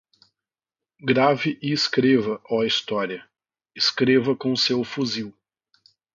Grave e escreva, ó história, escreva com seu fuzil